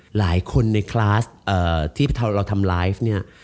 หลายคนในคลาสที่เราทำไลฟ์เนี่ย